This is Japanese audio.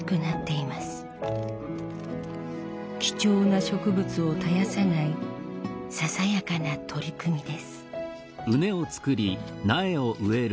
貴重な植物を絶やさないささやかな取り組みです。